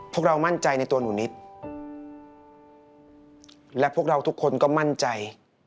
พวกเรามั่นใจในตัวหนูนิดและพวกเราทุกคนก็มั่นใจ